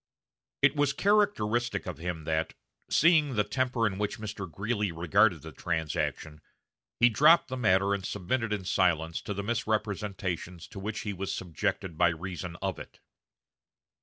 It was characteristic of him that, seeing the temper in which Mr. Greeley regarded the transaction, he dropped the matter and submitted in silence to the misrepresentations to which he was subjected by reason of it.